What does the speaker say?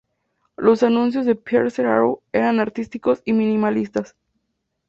Los anuncios de Pierce-Arrow eran artísticos y minimalistas.